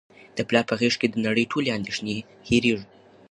د پلار په غیږ کي د نړۍ ټولې اندېښنې هیرېږي.